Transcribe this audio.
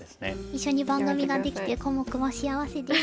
一緒に番組ができてコモクも幸せです。